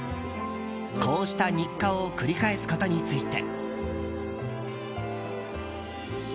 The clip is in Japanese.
こうした日課を繰り返すことについて。